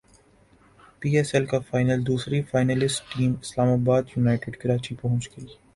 پی S L کا final دوسری finalist team اسلام باد یونائیٹڈ کراچی پہنچ گئی